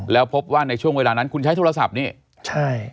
แล้วพบว่าในช่วงเวลานั้นคุณใช้โทรศัพท์นี่ใช่